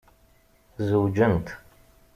Zewǧent.